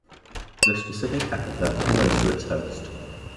The specific epithet refers to its host.